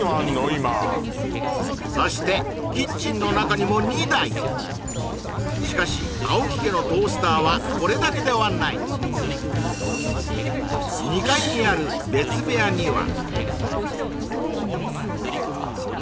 今そしてキッチンの中にも２台しかし青木家のトースターはこれだけではない２階にある別部屋にはおおっ！